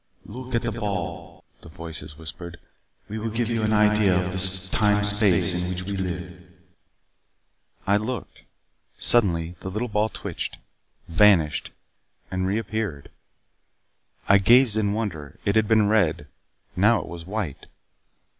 "Look at the ball," the voices whispered. "We will give you an idea of the time space in which we live." I looked. Suddenly the little ball twitched, vanished and reappeared. I gazed in wonder. It had been red. Now it was white.